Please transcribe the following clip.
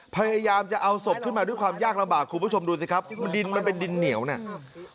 พยายามจะเอาศพขึ้นมาด้วยความยากลำบากคุณผู้ชมดูสิครับมันดินมันเป็นดินเหนียวเนี่ย